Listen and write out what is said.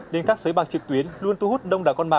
nên các sới bạc trực tuyến luôn thu hút đông đảo con bạc